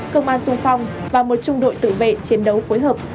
công an sung phong và một trung đội tự vệ chiến đấu phối hợp